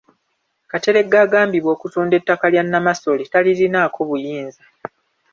Kateregga agambibwa okutunda ettaka lya Nnamasole talirinaako buyinza.